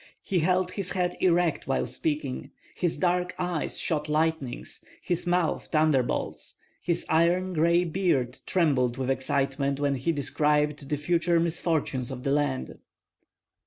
He held his head erect while speaking; his dark eyes shot lightnings, his mouth thunderbolts; his iron gray beard trembled with excitement when he described the future misfortunes of the land.